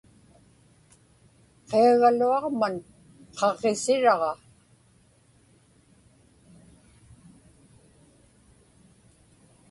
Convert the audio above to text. Qiagaluaġman qaġġisiraġa.